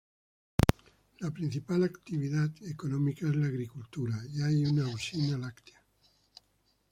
La principal actividad económica es la agricultura, y hay una usina láctea.